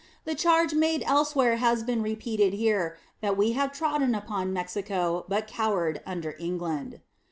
The charge made elsewhere has been repeated here, that we have trodden upon Mexico, but cowered under England.